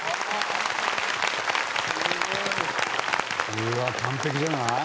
うわ完璧じゃない？